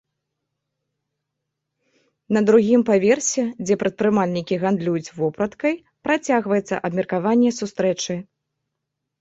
На другім паверсе, дзе прадпрымальнікі гандлююць вопраткай, працягваецца абмеркаванне сустрэчы.